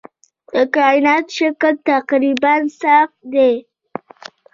د کائنات شکل تقریباً صاف دی.